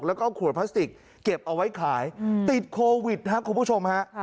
แล้วก็เอาขวดพลาสติกเก็บเอาไว้ขายติดโควิดครับคุณผู้ชมฮะ